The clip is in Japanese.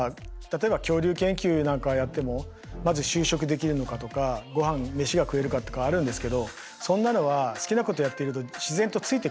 例えば恐竜研究なんかやってもまず就職できるのかとかごはん飯が食えるかとかあるんですけどそんなのは好きなことやってると自然とついてくるんですよね。